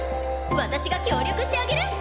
私が協力してあげる！